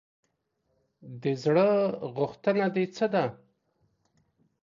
د زړه غوښتنه دې څه ده ؟